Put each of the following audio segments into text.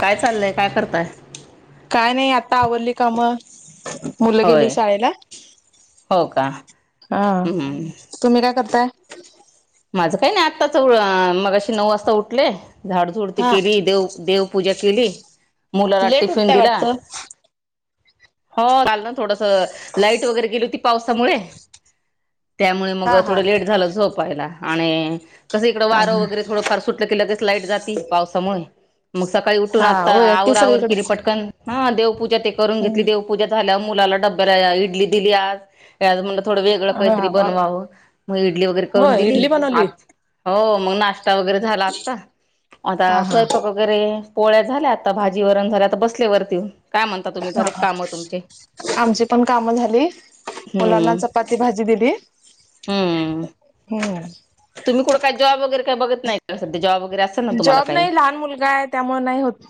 काय चाललंय? काय करताय? काय नाही. आता आवरली काम. मुलं होय गेली शाळेला? हो का हा. हम्म तुम्ही काय करताय? माझं काही नाही. आताच, मगाशी नऊ वाजता उठले. झाडझुड ते हा केली. देव - देव पूजा केली. मुलाला लेट टिफिन उठताय दिला. वाटतं? हो, काल ना, थोडसं. लाईट वगैरे गेली होती. पावसामुळे. त्यामुळे मग हा हा. थोडं लेट झालं, झोपायला. आणि कसं इकडं, हा वारं वगैरे थोडं फार सुटलं की, लगेच लाईट जाती. पावसामुळे. मग सकाळी उठून हा आता, होय ते आवर - आवर केली सगळीकडेच पटकन. हा देवपूजा ते करून घेतली. देवपूजा झाल्या मुलाला डब्याला इडली दिली आज. आज म्हटलं, थोडं वेगळं हा काहीतरी बनवावं. मग इडली वगैरे करून होय दिली, इडली बनवली? आज. हो. मग नाष्टा वगैरे झाला आता. हा आता हा. स्वयंपाक करे. पोळ्या झाल्या आता. भाजी वरण झाल्या. आता बसले वरती येऊन. काय म्हणता, तुम्ही? झाले काम त आमची पण कामं झाली. मुलांना हम्म चपाती भाजी दिली. हम्म. हो. तुम्ही कुठं, काय? जॉब वगैर का बघत नाही का? सध्या जॉब वगैरे असं. जॉब नाही. लहान मुलगाय. त्यामुळे नाही होत.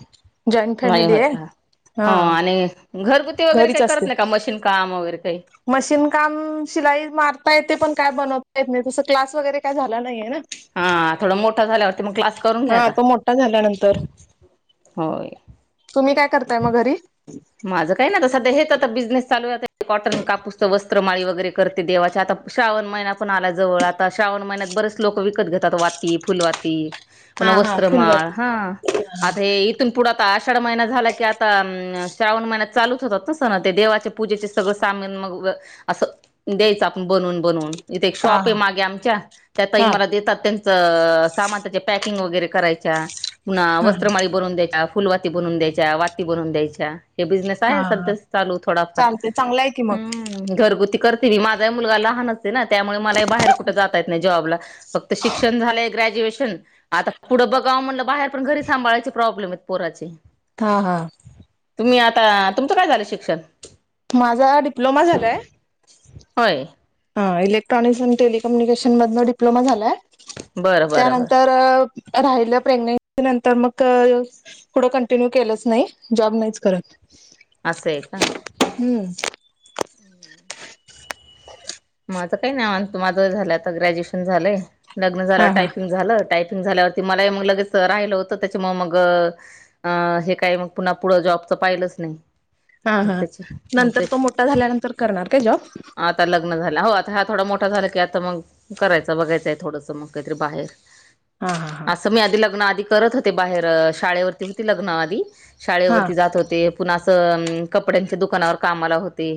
जॉईंट नाही होत फॅमिलीय का हो हा. आणि घरगुती वगैरे, घरीच काही असते. करत नाही का? मशीन काम वगैरे काही. मशीन काम, शिलाई मारता येते. पण काय बनवता येत नाही. तसं क्लास वगैरे काय झाला नाहीय ना. हा थोडा मोठा झाल्यावरती मग, क्लास करून घ्या हा आता. तो मोठा झाल्यानंतर होय. तुम्ही काय करताय, मग घरी? माझं काही नाय आता, सध्या हेच आता बिझनेस चालूय. कॉटन कापूस तर वस्त्रमाळी वगैरे करते. देवाच्या आता श्रावण महिना पण आला जवळ आता. श्रावण महिन्यात, बरेच लोक विकत घेतात वाती, फुलवाती. हा पुन्हा हा वस्त्रमाळ. फुलबाती हा. आता हे इथून पुढ, आषाढ महिना झाला की, आता श्रावण महिन्यात चालूच होतात ना सण. ते देवाचे, पूजेचे सगळं सामन मग ऊग, असं द्यायच आपण बनवून बनवून. इथे एक हा हा शॉपय, मागे आमच्या. त्या ताई हा मला हा देतात, त्यां चं सामान त्याच्या पॅकिंग वगैरे करायचा. पुन्हा हा वस्ञमाळी बनवून द्यायच्या. फुलवाती बनवून द्यायच्या. वाती बनवून द्यायच्या. हे बिझनेस आहे, हा. सध्या चालू थोडाफार. चालते चांगलं आहे की मग. हम्. घरगुती करते मी. माझा ही मुलगा लहानचय ना. त्यामुळे मला बाहेर कुठे जाता येत नाही जॉबला. फक्त शिक्षण झालय ग्रॅज्युएशन. आता पुढं बघाव म्हणलं बाहेर. पण घरी सांभाळायचे प्रॉब्लेमत पोराचे. हा, हा. तुम्ही आता. तुमचं काय झालं शिक्षण? माझा डिप्लोमा झालाय. होय. ह. इलेक्ट्रॉनिक्स अन् टेलिकम्युनिकेशन मधन डिप्लोमा झालाय. बरं बरं त्यानंतर बरं राहिल, प्रेग्नेन्सी नंतर मग पुढं कंटिन्यू केलंच नाही. जॉब नाहीच करत. असंय का? हम्म. आता काय नाही. माझं झालं, आता ग्रॅज्युएशन झालंय. लग्न हा झाल्यावर हा. टायपिंग झालं. टायपिंग झाल्यावर मलाही मग लगेच राहिलं होतं. त्याच्यामु मग अ हे काय मग, पुन्हा पुढं जॉबच पाहिलंच नाही. हा मग हा. त्याच्या मग नंतर त्या तो मोठा झाल्यानंतर करणार काय जॉब? आता लग्न झाल. हो आता हा थोडा मोठा झाला की, आता मग करायचा. बघायचंय थोडस मग काहीतरी बाहेर. हा हा हा. असं मी आधी लग्न आधी करत होते. बाहेर शाळेवरती होती लग्न आधी. हा शाळेवरती जात होते. पुन्हा असं कपड्यांच्या दुकानावर कामाला होते.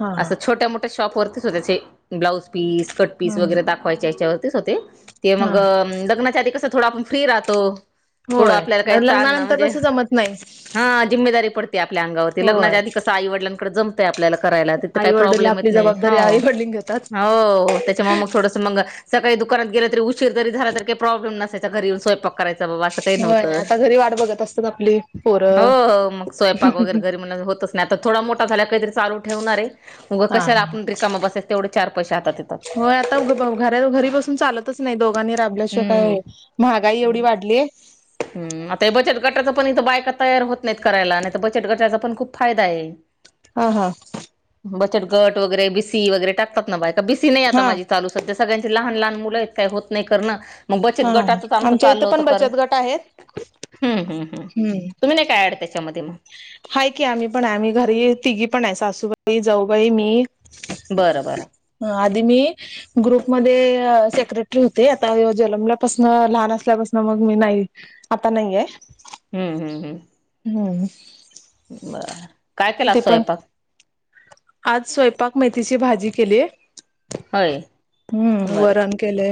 हा असं छोट्या मोठ्या शॉपवररतीच होत. असे ब्लाउज पीस कटपीस वगैरे दाखव दावायच्या याच्यावरतीच होते. ते हा हा मग लग्नाच्या आधी कस, थोडं आपण फ्री राहतो. थोडं होय, आपल्याला काही अन ताण ना लग्नानंतर म्हणजे तसं जमत नाही. हा जिमेदारी पडते आपल्या अंगावरती. होय. लगनाच्या आधी कंस आईवडलांकडे जमंय आपल्याला करायला. तिंथ आई काही वडील प्रॉब्लेम आपली येत नाही. जबाबदारी आई हो वडील घेतात. हो त्याच्यामुळ मग थोड मग सकाळी दुकानात गेला तरी उशीर जरी झाला तरी काही प्रॉब्लेम नसायचा. घरी येऊन स्वयंपाक करायचा बाबा अस काही होय. नव्हत. आता घरी वाट बघत असतात आपली हो पोरं. हो मग स्वयंपाक वगरे घरी म्हल होतच. नाही आता थोडा मोठा झाला काहीतरी चालू ठेवणारे. उग हा हा. कशाला आपण रिकाम बसायच. तेवढ चार पैसे हातात येत होय आता उघ घरी बसून चालतच नाही. दोघांनी राबल्याशिवाय हम्म. काये? महागाई एवढी हम्म वाढलीये. हम्म आता हे बचट गटाच पण इथ बायका तयार होत नाहीत करायला. नाही त बचट गटाचा पण खूप फायदाये. हा हां. बचत गट वगैरे बिसी वगैरे टाकतात ना बायका. बिसी नाही आता हा माझी. चालू सध्या. सगळ्यांचे लहान लहान मुलंयेत. काही होत नाही करण. मग हा बचत गटाचच आमच आमच्या इथं चालल होत पण खर. बचत गट आहेत. हम्म हम्म हम्म. तुम्ही नाही का आड त्याच्यामध्ये मग? हाये की आम्ही पण आहे. आम्ही घरी तिघी पण आहे. सासूबाई जाऊबाई मी. बरं बरं. ह, आधी मी ग्रुपमध्ये सेक्रेटरी होते. आता हो जन्मल्यापासन, लहान असल्यापासन मग मी नाही. अता नाहीये. हम्म हम्म हम्म. हम्म. बरं. काय केला आज ते पण स्वयंपाक? आज स्वयंपाक मेथीची भाजी केलीय. होय हम्म बरं वरण केलय.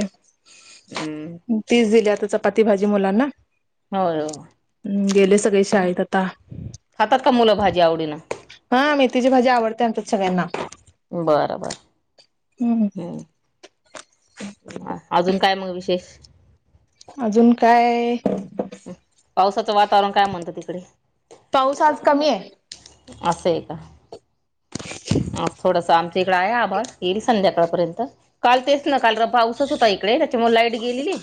हम्म तीस दिली आता चपाती भाजी मुलांना. होय होय. हम्म गेले सगळे शाळेत आता. खातात का मुलं भाजी आवडीन? हा मेथीची भाजी आवडते. आमच्यात सगळ्यांना. बरं बरं. हम्म. अजून काय मग विशेष? अजून काय पावसाचं वातावरण काय म्हणत तिकडे? पाऊस आज कमीये. असंय का? आज थोडस आमच्या इकडे आहे आभाळ. येईल संध्याकाळपर्यंत. काल तेच ना काल र पाऊसच होता इकडे. त्याच्यामुळे लाईट गेलेली.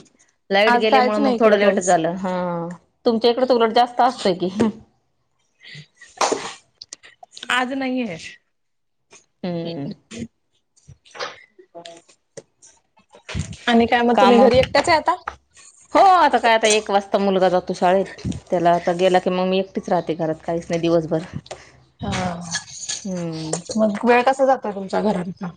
लाईट आज गेल्यामुळे कायच नाही मग इकडे थोडं लेट पाऊस. झालं. हा तुमच्या इकडे त उलट जास्त असतोय की? आज नाही ह हम्म आणि काय मग तुम्ही काम घरी एकट्याच आहे आता? हो आता काय आता एक वाजता मुलगा जातो शाळेत त्याला आता गेला की मग मी एकटीच राहते घरात काहीच नाही दिवसभर हा हम्म मग वेळ कसा जातोय तुमच्या घरचा?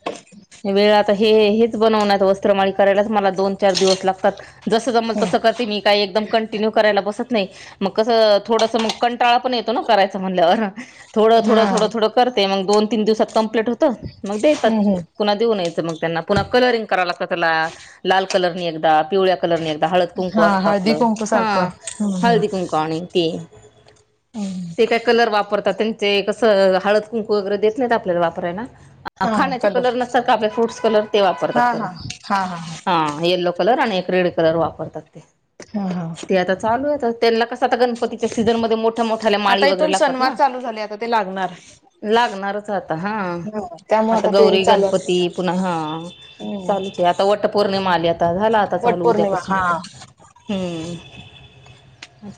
वेळ आता हे हेच बनवण्यात वस्त्रमाळी करायलाच मला दोन चार दिवस लागतात जसं जमल तसं करते मी काही एकदम कंटिन्यू करायला बसत नाही मग कसं थोडस मग कंटाळा पण येतो ना करायचा म्हणल्यावर थोडं हा थोडं थोडं थोडं करते मगोन तीन दिवसात कं्प्लीट होतं मग हम्म देतात हम्म पु्हा देऊनयचं मग त्यांना पुन्हा कलरिंग कराव लागत त्याला लाल कलरनी एकदा पिवळ्या कलर हळद कुंकू हा असत हळदी आपलं कुंकू हा सारखं. हम्म हळदी कुंकू आणि ते हम्म. ते काय कलर वापरतात त्यां ते कसं हळद कुंकू वगैरे देत नाहीत आपल्याला वापराय ना हा कलर असतात फुट कलर वापतात हा त्याला हा हा हा येल्लो कलर आणि एक रेड कलर वापरतात ते हा हा ते आता चालू आहे त्यांना कसं आता गणपतीच्या सीझनमध्येध्ये मो मोठ्या मोठ्याल्या माळी आता वगैरे इथून लागतात सणवार ना चालू झाले आता ते लागणार लागणारच आता हा ह त्यामुळे आता ते गौरी चालू गणपती असणार पुन्हा हा हम्म चालू आता वट पौर्णिमा आली आ झाला आता चालू वटपौर्णिमा उद्यापासून हा हम्म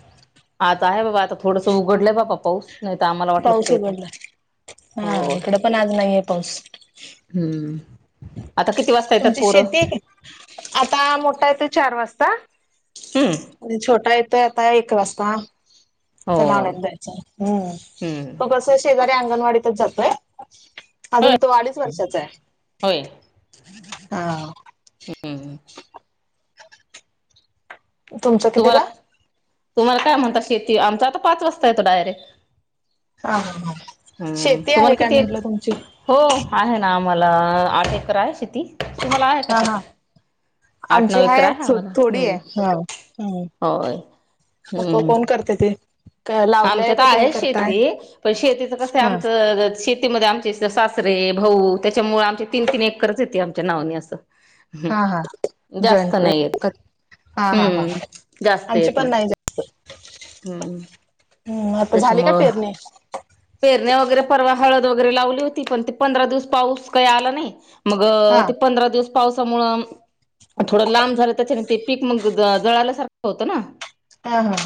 आता आहे बाबा आता थोडस उघडलंय बापा पाऊस नाही तर आम्हाला वाटलं पाऊस कुठे येतो आता उघडलाय हा हो इकडे पण आज नाही आहे पाऊस हम्म आता किती वाजता येतात तुमची पोरं? शेती आहे आता मोठा येत चार वाजता हम्म आणि छोटा य तेता एक वास्ता त्याला होय आणून द्या हम्म हम्म म कस शेजारी अंगणवाडीतच जातोय अजून होय तो अडीच वर्षाचा आहे होय हा हम्म तुमचं तुम्हाला कितीला तुम्हाला काय म्हणता शेती आमचा आता पाच वाजता येतो डायरेक्ट हा हम्म शेती आहे तुम्हाला काय किती म्हटलं तुमची? हो आहे ना आम्हाला आठ एकर आहे शेती तुम्हाला आहे का हा शेती? हा आठ आमची नऊ एकर हाय आहे आम्हाला थोडी हम्म आहे ह. होय [unintelligible] हम्म कोण करते ते? लावलंय आमच्यात का तुम्ही आहे करताय? शेती पण शेतीच कस हा आमचं शेतीमध्ये सासरे भाऊ त्याच्यामुळे आमचे तीन तीन एकरच येते आमच्या नावने असं. ह हा हा जास्त जॉईंट नाही येत हा हा हा हम्म जास्त आमची येत पण नाही. हम्. हम् आता झाली का पेरणी? पेरण्या वगैरे परवा हळद वगैरे लावली होती पण ते पंधरा दिवस पाऊस काही आला नाही. मग हा ते पंधरा पावसामुळं थोडं लांब झालं त्याच्याने ते पीक मग जळाल्यासारखं होतं ना. त्यामुळे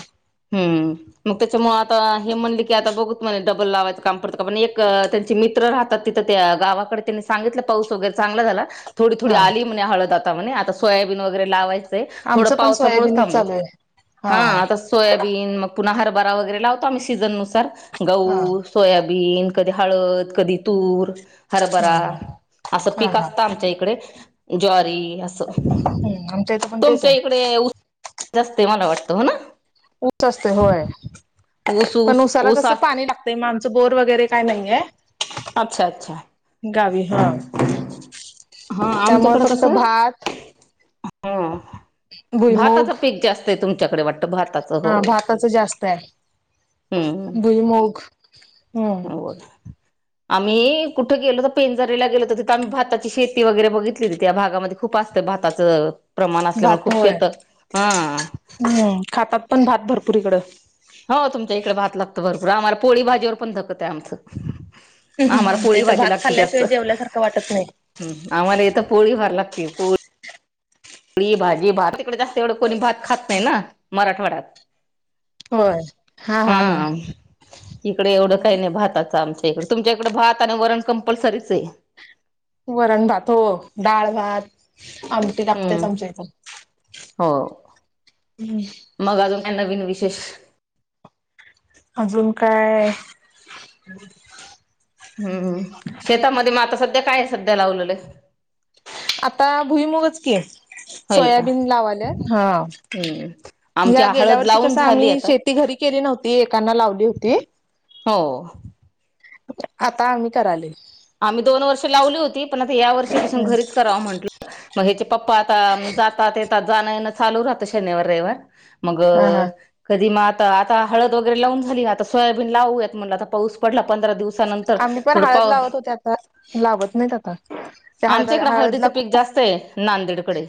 हम्. मग त्याच्यामुळे आता हे म्हणले की आता बघुत म्हणे डबल लावायच काम पडते का एक त्यांचे मित्र राहतात तिथ त्या गावाकडे त्यांनी सांगितल. पाऊस वगैरे चांगला झाला थोडी थोडी हा आली म्हणे हळद आता म्हणे, आता सोयाबीन वगैरे लावाय च. थोड आमचं पण पावसामुळेच सोयाबीनच थांबलो चालू आहे. हा आता सोयाबीन मग पुन्हा हरभरा वगैरे लावतो आम्ही सीझननुसार हा गहू सोयाबीन, कधी हळद, कधी तूर. हा हरभरा. अस हा पीक हा असत आमच्या इकडे. ज्वारी अस आस. हम्म आमच्या इथं पण तेच तुमच्या आहे इकडे उऊस जास्त मला वाटत. हो ना. ऊस जास्तय. ऊन जास्तय ऊस होय पण ऊस ऊसाला ऊस कस असत पाणी आमच बोर वगैरे काय नाहीय, अच्छा अच्छा गावी हा. हा त्यामुळे आमच्याकडं फक्त कसं भात ह, भाताच भुईमुग पीक जास्त आहे. तुमच्याकडे वाटत. हा भाताच जास्त आहे. हम्म भुईमग हम्म होय. आम्ही कुठे गेलो तर पेंजेरीला गेलो तिथे आम्ही भाता शेती वगैरे बघितलीती त्या भागामध्य खूप असत भाताच प्रमाण असल्यामुळे भात खूप होय शेतात. हा हम्म, खातात पण भात भरपुर इकड. हो तुमच्या इकडे भात लागत भरपूर आम्हाला पोळी भाजीवर पण धकत आहे आमच. आम्हाला आमच्या पोळी इथं भाजी भात लागती जास्त्, खाल्ल्याशिवाय जेवल्यासारखं वाटत नाही. आम्हाला इथ पोळी फार लागते. पोळी पुळी भाजी भात तिकडे जास्त एवढ कोणी भात खात नाही ना मराठवाड्यात. हा. इकडे एवढ काही नाही भाताच आमच्या इकडे. तुमच्या इकड भात आणि वरण कंपल्सरीच ये. वरण भात. हो, डाळ भात. आमटी लागतेच हम्म आमच्या इथ. हो हम्. मग अजून काही नवीन विशेष. अजून काय. हम्म, शेतामध्ये म आता सध्या काय सध्या लावलेलय. आता भुईमुगच की होय का सोयाबीन लावाल्यात. हा. हम्म आमची या गेल्या हळद वर्षी कस लावून झाली आम्ही आता शेती घरी केली नव्हती, एकाना लावली होती. हो. आता आम्ही करालोय. आम्ही दोन वर्ष लावली होती पण आता या वर्षीपासून घरीच कराव म्हटल. मग ह्याचे पप्पा आता जातात येतात जाण येण चालू राहत शनिवार रविवार. मग. हा हा कधी मग आता -आता हळद वगैरे लावून झाली ना आता सोयाबीन लावूयात म्हणल आता पाऊस पडला पंधरा दिवस. आम्ही पण हळद लावत होते आता. लावत नाहीत आता‌. आमच्या इकड हळदीच पीक जास्त आहे नांदेडकडे.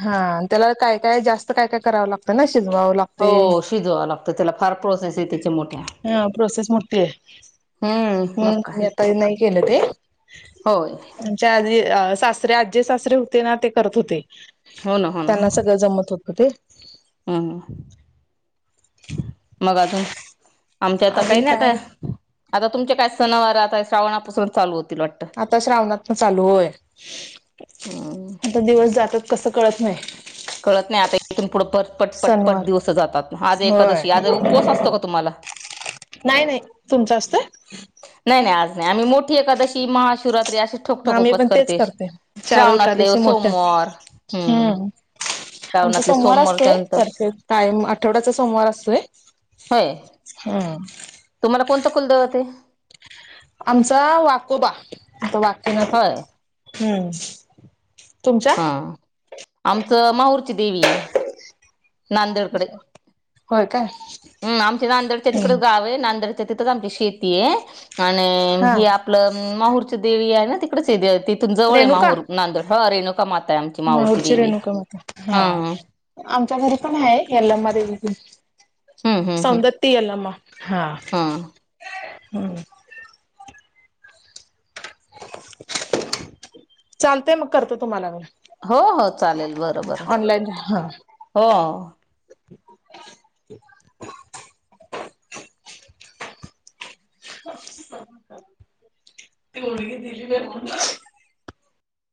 हा त्याला काय काय जास्त काय काय कराव लागत ना शिजवावं लागत. हो शिजवावं लागत, त्याला फार प्रोसेस आहे त्याच्या मोठ्या. हा.. प्रोसेस मोठीय. हम्म म्हणून मग काय आही आता नाही केल ते, होय च्या अधी सासरे आजे सासरे होते ना, ते करत होते, हो ना हो त्यांना सगळं जमत होते. [unintelligible] हम् मग अजून ता, आमच्या आता काही अजून नाही आता, काय आता तुमचे काय सणावार आता श्रावणापासून चालू होतील. वाट आता श्रावणातन चालू होय, हम्म आता दिवस जातात कसं कळत नाही. कळत नाही आता इथून पुढं पटपट पटपट सणवार दिवस जातात आज होय एकादशी आज उपवास असतो का, तुम्हाला. [inaudible] नाही नाही तुमचं असतोय. नाही नाही आज नाही आम्ही मोठी एकादशी महाशिवरात्री असे ठोकठोक आम्ही उपास पण तेच करतेस करते चारो श्रावणातले एकादशी मोठ्या सोमवार हम्म. आमचा श्रावणातले सोमवार असतोय सोमवारच्या नंतर तरफे कायम आठवड्याचा सोमवार असतोय. होय हंम. तुम्हाला कोणतं कुलदैवत ये. आमचा वाकोबा आता वाकन होय हम्म [inaudible] तुमच्या हा आमचं माहुरची देवी ह [inaudible] नांदेडकडे काय हम्म आमच्या नांदेडच्या तिकड हम्म गाव आहे. नांदेडच्या तिथच आमची शेती आहे आणि हा हे आपलं माहूरची देवी आहे ना तिकडेच तिथून जवळ आहे रेणुका माहूर, नांदूड ह रेणुका माता आहे. आमची माहूरची देवी हा आमच्या घरी पण आहे, यल्लमा देवी हम्म हम्म हम्म सौंदत्ती यल्लमा. हा [inaudible] [inaudible] चालतय मग करतो तुम्हाला म हो हो चालेल बरोबर हा हो [inaudible] ती लगी दिली म्ह